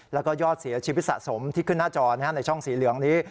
แล้วก็ยอดเสียชีวิตสะสมที่ขึ้นหน้าจอในช่องสีเหลืองนี้